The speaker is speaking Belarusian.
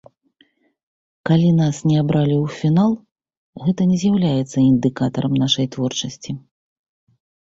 Калі нас не абралі ў фінал, гэта не з'яўляецца індыкатарам нашай творчасці.